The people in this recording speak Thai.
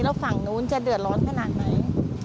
แล้วฝั่งนู้นจะเดือดร้อนขนาดไหน